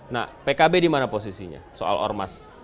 nah pkb dimana posisinya soal ormas